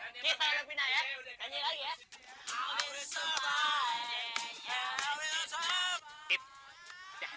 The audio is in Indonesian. pintain dia lah aja cepet